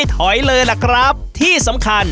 พี่หมวยถึงได้ใจอ่อนมั้งค่ะ